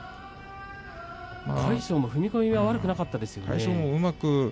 魁勝も踏み込み悪くなかったですね。